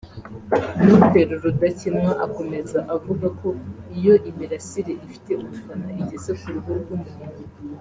Dr Rudakemwa akomeza avuga ko iyo imirasire ifite ubukana igeze ku ruhu rw’umuntu